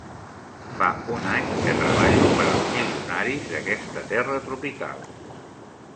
Fa un any que treballo per als milionaris d'aquesta terra tropical.